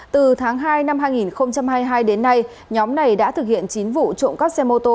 từ tháng hai năm hai nghìn hai mươi hai đến nay nhóm này đã thực hiện chín vụ trộm cắp xe mô tô